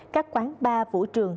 các quán ba vũ trường